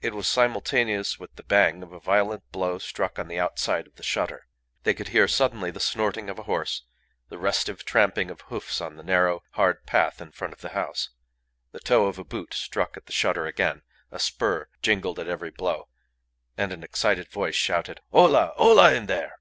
It was simultaneous with the bang of a violent blow struck on the outside of the shutter. They could hear suddenly the snorting of a horse, the restive tramping of hoofs on the narrow, hard path in front of the house; the toe of a boot struck at the shutter again; a spur jingled at every blow, and an excited voice shouted, "Hola! hola, in there!"